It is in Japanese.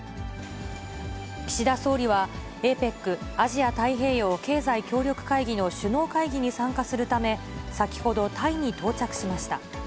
岸田総理は、ＡＰＥＣ・アジア太平洋経済協力会議の首脳会議に参加するため、先ほどタイに到着しました。